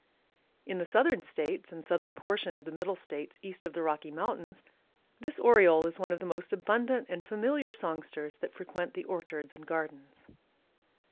In the southern states arid southern portion of the middle states east of the Rocky mountains this Oriole is one of the most abundant and familiar songsters that frequent the orchards and gardens.